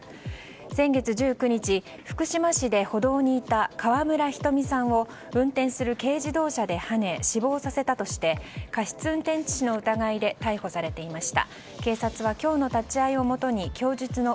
先月１９日、福島市で歩道にいた川村ひとみさんを運転する軽自動車ではね死亡させたとして過失運転致死の疑いで逮捕されていました。